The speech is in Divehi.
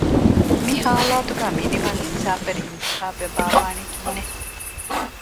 މި ހާލަތުގައި މިނިވަން އިންސާފުވެރި އިންތިހާބެއް ބާއްވާނީ ކިހިނެއް؟